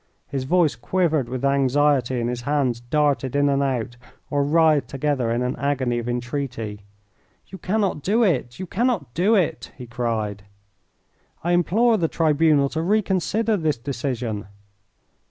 His voice quivered with anxiety and his hands darted in and out or writhed together in an agony of entreaty. "You cannot do it! You cannot do it!" he cried. "I implore the tribunal to reconsider this decision."